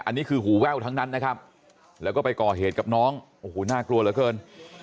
อันนี้คือหูแว่วทั้งนั้นนะครับแล้วก็ไปก่อเหตุกับน้องโอ้โหน่ากลัวเหลือเกิน